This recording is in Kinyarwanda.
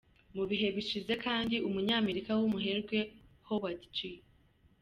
Mu bihe bishize kandi umunyamerika w’umuherwe Howard G.